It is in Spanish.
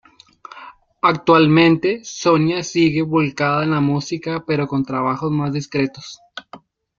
Actualmente Sonia sigue volcada en la música pero con trabajos más discretos.